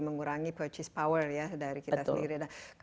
mengurangi purchase power ya dari kita sendiri